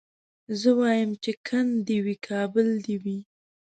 زه وايم چي کند دي وي کابل دي وي